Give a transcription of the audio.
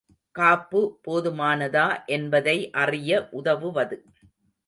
காப்பு போதுமானதா என்பதை அறிய உதவுவது.